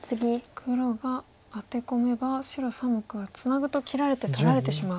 黒がアテ込めば白３目はツナぐと切られて取られてしまう。